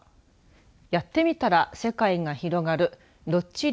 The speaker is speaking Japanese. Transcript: やってみたら世界が広がるロッチ流